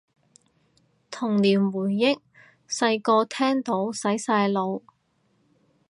童年回憶，細個聽到洗晒腦